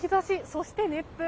そして、熱風。